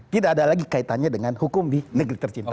tidak ada lagi kaitannya dengan hukum di negeri tercinta